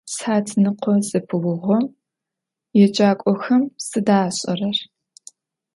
Sıhatnıkho zepıuğom yêcak'oxem sıda aş'erer?